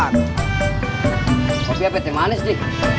kopi apa teh manis ji